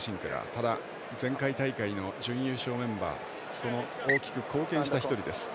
ただ、前回大会の準優勝メンバーその大きく貢献した１人です。